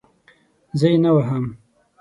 زه یې نه وهم.